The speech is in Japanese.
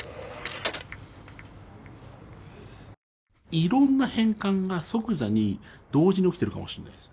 いろんな変換が即座に同時に起きてるかもしんないです。